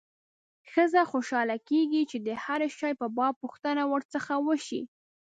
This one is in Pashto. ښځه خوشاله کېږي چې د هر شي په باب پوښتنه ورڅخه وشي.